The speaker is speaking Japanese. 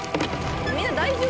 みんな大丈夫？